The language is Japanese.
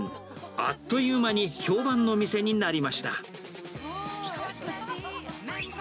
あっという間に評判の店になりました。